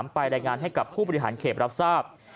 ไปรายงานให้กับผู้บริหารเขตรับทราบ